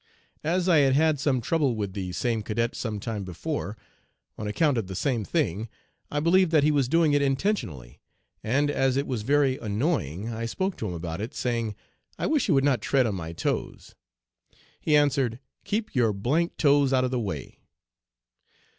"As I had had some trouble with the same cadet some time before, on account of the same thing I believed that he was doing it intentionally, and as it was very annoying, I spoke to him about it, saying: "I wish you would not tread on my toes.' He answered: 'Keep your d d toes out of the way.'